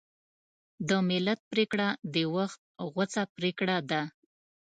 د ملت پرېکړه د وخت غوڅه پرېکړه ده.